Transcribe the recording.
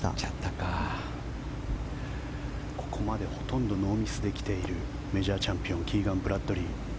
ここまでほとんどノーミスで来ているメジャーチャンピオンキーガン・ブラッドリー。